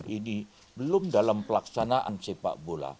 ini belum dalam pelaksanaan sepak bola